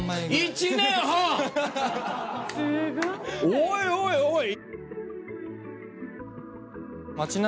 おいおいおい！